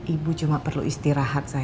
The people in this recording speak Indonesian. ibu cuma perlu istirahat saya